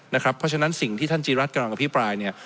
เพราะฉะนั้นสิ่งที่ท่านจีรัฐกำลังอภิปรายเนี่ย